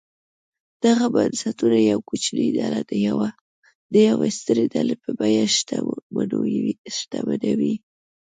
دغه بنسټونه یوه کوچنۍ ډله د یوې سترې ډلې په بیه شتمنوي.